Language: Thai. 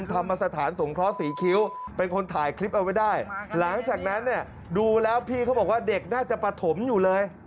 ธรรมสถานสงเคราะห์ศรีคิ้วเป็นคนถ่ายคลิปเอาไว้ได้หลังจากนั้นเนี่ยดูแล้วพี่เขาบอกว่าเด็กน่าจะประถมอยู่เลย